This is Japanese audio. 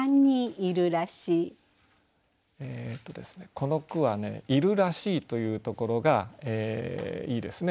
この句は「いるらしい」というところがいいですね。